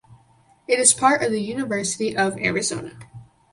It is part of the University of Arizona.